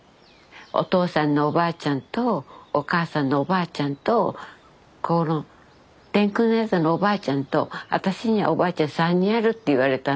「お父さんのおばあちゃんとお母さんのおばあちゃんとこの天空の宿のおばあちゃんと私にはおばあちゃん３人ある」って言われたの。